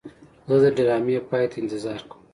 زه د ډرامې پای ته انتظار کوم.